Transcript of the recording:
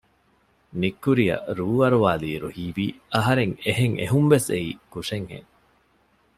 ނިތްކުރިއަށް ރޫ އަރުވާލި އިރު ހީވީ އަހަރެން އެހެން އެހުންވެސް އެއީ ކުށެއް ހެން